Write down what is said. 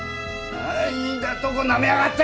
何だとなめやがって！